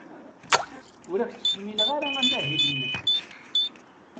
Ur ak-ttkemmileɣ ara amahil-nnek.